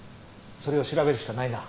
それを調べるしかないな。